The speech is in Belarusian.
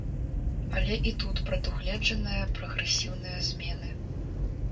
Але і тут прадугледжаныя прагрэсіўныя змены.